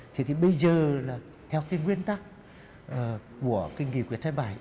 thế thì bây giờ là theo cái nguyên tắc của cái nghề quyền thái bài